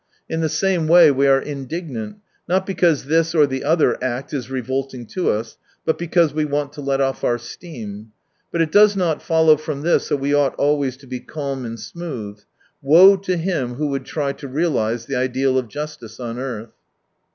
In the same way we are indignant, not because this or the other act is revolting to us, but because we want to let off our steam. But it does not follow from this that we ought always to be calm and smooth. Woe to him who would try to realise the ideal of justice on earth.